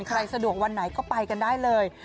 สะดวกวันไหนก็ไปกันได้เลย